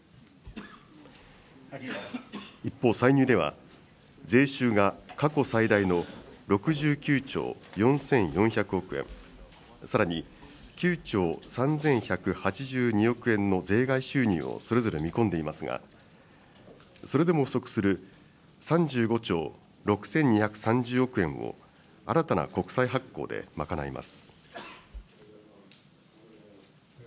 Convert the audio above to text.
一方、歳入では、税収が過去最大の６９兆４４００億円、さらに９兆３１８２億円の税外収入をそれぞれ見込んでいますが、それでも不足する３５兆６２３０億円を新たな国債発行で賄います。